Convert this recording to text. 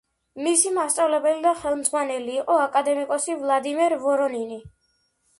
მისი მასწავლებელი და ხელმძღვანელი იყო აკადემიკოსი ვლადიმერ ვორონინი.